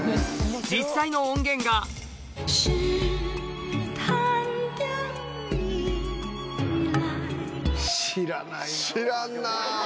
実際の音源が知らんな！